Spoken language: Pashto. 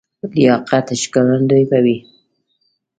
لیاقت ښکارندوی به وي.